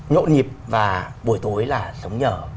nhộn nhịp và buổi tối là sống nhở